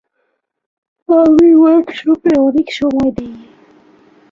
আমি ওয়ার্কশপে অনেক সময় দেই।